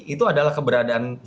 itu adalah keberadaan zulkifli